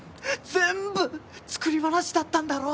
全部作り話だったんだろ？